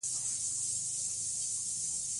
ډېر سوالونه تکراري وو